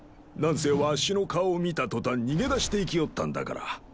なんせわしの顔を見た途端逃げ出していきおったんだから。